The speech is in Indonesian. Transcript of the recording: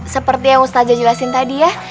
seperti yang ustazah jelasin tadi ya